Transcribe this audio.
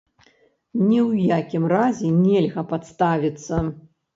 Ні ў якім разе нельга падставіцца.